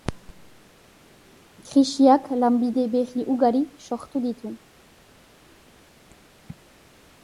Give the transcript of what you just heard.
Krisiak lanbide berri ugari sortu ditu.